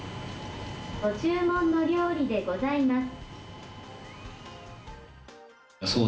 ご注文の料理でございます。